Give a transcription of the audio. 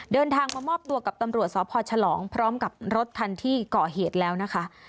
เดินทางมามอบตัวกับตำรวจสพฉลองพร้อมกับรถคันที่เกาะเหตุแล้วนะคะ